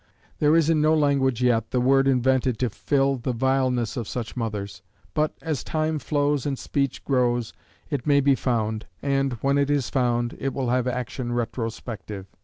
There is in no language yet the word invented to fit the vileness of such mothers; but, as time flows and speech grows, it may be found, and, when it is found, it will have action retrospective.